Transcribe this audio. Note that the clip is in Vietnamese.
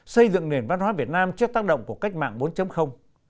xây dựng nền văn hóa việt nam trước tác động của cách mạng bốn